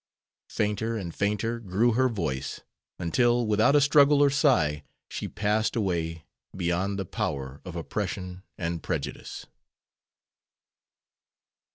Fainter and fainter grew her voice, until, without a struggle or sigh, she passed away beyond the power of oppression and prejudice.